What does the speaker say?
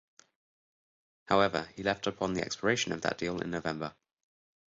However he left upon the expiration of that deal in November.